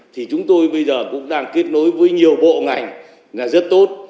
thì chúng tôi bây giờ cũng đang kết nối với nhiều bộ ngành là rất tốt